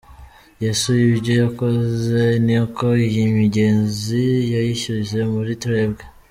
Yesu ibyo yakoze ni uko iyi migezi yayishyize muri twebwe.